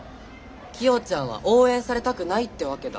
キヨちゃんは応援されたくないってわけだ。